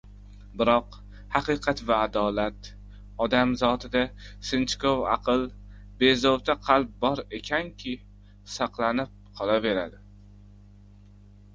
Biroq, xaqiqat va adolat, odam zotida sinchkov aql, bezovta qalb bor ekanki, saqlanib qolaveradi.